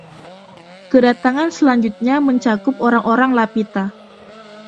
Kedatangan selanjutnya mencakup orang-orang Lapita.